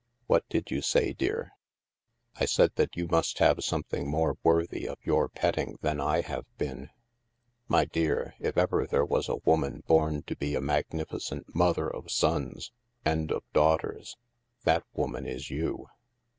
What did you say, dear?" " I said that you must have something more worthy of your petting than I have been. My dear, if ever there was a woman bom to be a magnificent mother of sons — and of daughters — that woman is you."